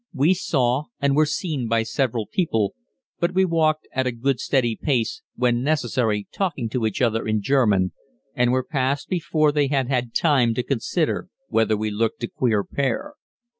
We saw and were seen by several people, but we walked at a good steady pace, when necessary talking to each other in German, and were past before they had had time to consider whether we looked a queer pair.